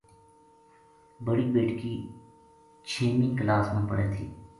بڑی بیٹکی چھیمی کلاس ما پڑھے تھی